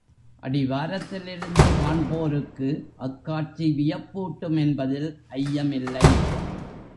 அடிவாரத்திலிருந்து காண்போருக்கு அக்காட்சி வியப்பூட்டும் என்பதில் ஐயமில்லை.